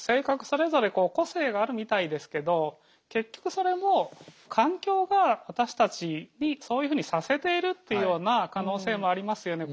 それぞれ個性があるみたいですけど結局それも環境が私たちにそういうふうにさせているというような可能性もありますよね。